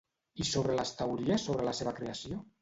I sobre les teories sobre la seva creació?